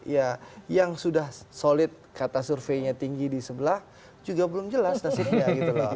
ya yang sudah solid kata surveinya tinggi di sebelah juga belum jelas nasibnya gitu loh